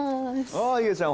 おういげちゃん